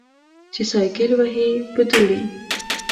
چې سایکل وهې په دوړې.